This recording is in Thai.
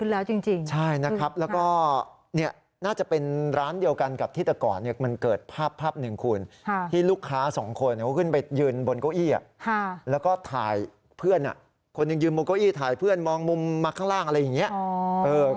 และก็ถ่ายเพื่อนคนยังอยู่บนเก้าอี้ถ่ายเพื่อนมองมุมมาข้างล่างอะไรอย่างนี้